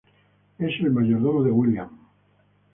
Es el mayordomo de William.